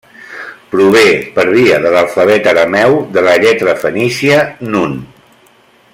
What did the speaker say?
Prové, per via de l'alfabet arameu de la lletra fenícia nun.